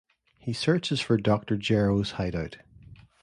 He searches for Doctor Gero's hideout.